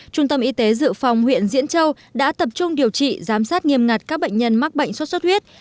trung tâm y tế dự phòng huyện diễn châu đã tập trung điều trị giám sát nghiêm ngặt các bệnh nhân mắc bệnh sốt xuất huyết